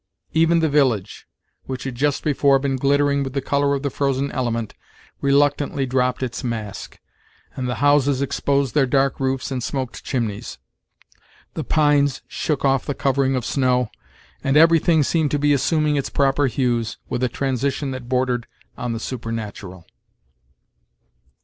Even the village, which had just before been glittering with the color of the frozen element, reluctantly dropped its mask, and the houses exposed their dark roofs and smoked chimneys. The pines shook off the covering of snow, and everything seemed to be assuming its proper hues with a transition that bordered on the supernatural.